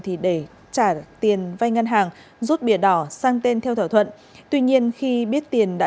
thì để trả tiền vay ngân hàng rút bìa đỏ sang tên theo thỏa thuận tuy nhiên khi biết tiền đã